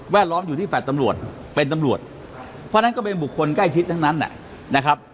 ล้อมอยู่ที่แฟลต์ตำรวจเป็นตำรวจเพราะฉะนั้นก็เป็นบุคคลใกล้ชิดทั้งนั้นนะครับ